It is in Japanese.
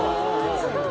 すごい！